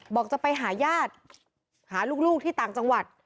จะไปหาญาติหาลูกที่ต่างจังหวัด